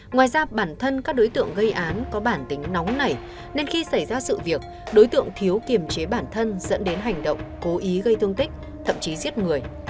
ngoài ra bản thân các đối tượng gây án có bản tính nóng nảy nên khi xảy ra sự việc đối tượng thiếu kiềm chế bản thân dẫn đến hành động cố ý gây thương tích thậm chí giết người